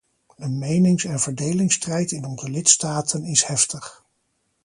De menings- en verdelingsstrijd in onze lidstaten is heftig.